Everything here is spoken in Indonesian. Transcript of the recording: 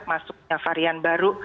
masuknya varian baru